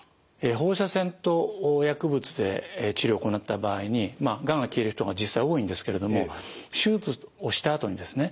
放射線と薬物で治療を行った場合にがんが消える人が実際多いんですけれども手術をしたあとにですね